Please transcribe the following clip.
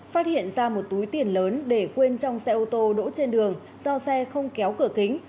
phát hiện ra một túi tiền lớn để quên trong xe ô tô đỗ trên đường do xe không kéo cửa kính